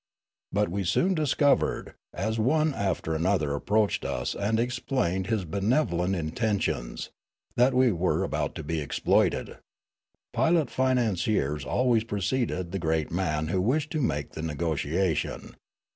But we soon discovered, as one after another approached us and explained his benevolent intentions, that we were about to be exploited. Pilot financiers always preceded the great man who wished to make the negotiation.